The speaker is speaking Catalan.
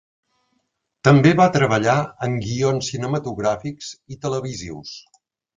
També va treballar en guions cinematogràfics i televisius.